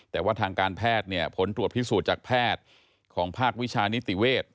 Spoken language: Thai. แต่ว่าทางการแพทย์เนี่ยผลตรวจพิสูจน์จากแพทย์ของภาควิชานิติเวทย์